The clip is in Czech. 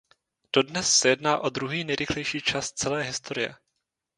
Dodnes se jedná o druhý nejrychlejší čas celé historie.